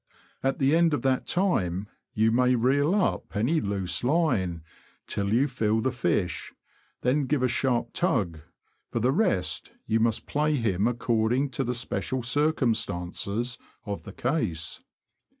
At the end of that time, you may reel up any loose line, till you feel the fish, then give a sharp tug; for the rest, you must play him according to the special cir cumstances of the case.